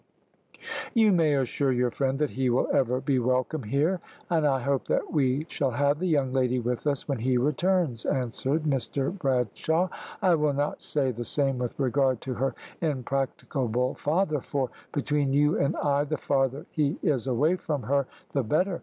"You may assure your friend that he will ever be welcome here, and I hope that we shall have the young lady with us when he returns," answered Mr Bradshaw. "I will not say the same with regard to her impracticable father, for, between you and I, the farther he is away from her the better.